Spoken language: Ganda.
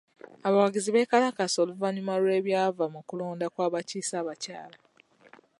Abawagizi beekalakaasa oluvannyuma lw'ebyava mu kulonda kw'abakiise abakyala.